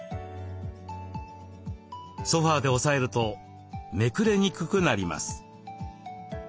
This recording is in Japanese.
ソファーで押さえるとめくれにくくなります。